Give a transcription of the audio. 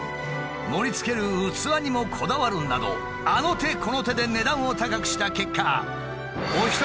盛りつける器にもこだわるなどあの手この手で値段を高くした結果一人。